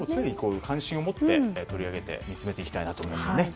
関心を持って取り上げて見つめていきたいなと思います。